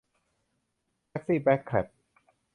แท็กซี่แบล็คแค็บ